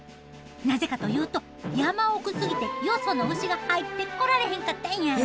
なぜかというと山奥すぎてよその牛が入ってこられへんかったんや。